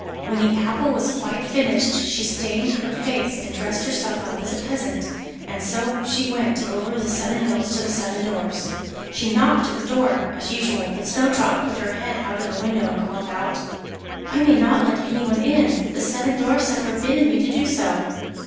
When the apple was quite finished she stained her face and dressed herself up as a peasant, and so she went over the seven hills to the seven Dwarfs'. She knocked at the door, as usual, but Snowdrop put her head out of the window and called out: 'I may not let anyone in, the seven Dwarfs have forbidden me to do so.